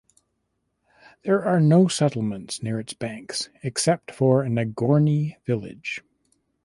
There are no settlements near its banks except for Nagorny village.